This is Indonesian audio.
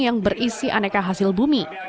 yang berisi aneka hasil bumi